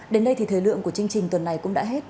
đến đây thì thời lượng của chương trình tuần này cũng đã hết